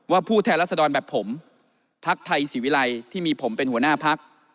ผู้แทนรัศดรแบบผมพักไทยศิวิลัยที่มีผมเป็นหัวหน้าพัก